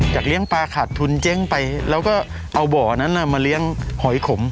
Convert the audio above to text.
เลี้ยงปลาขาดทุนเจ๊งไปแล้วก็เอาบ่อนั้นมาเลี้ยงหอยขม